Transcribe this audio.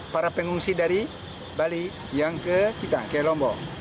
para pengungsi dari bali yang ke kita ke lombok